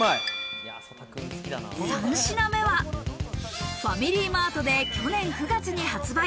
３品目はファミリーマートで去年９月に発売。